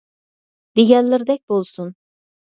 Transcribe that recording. دېگەنلىرىدەك بولسۇن!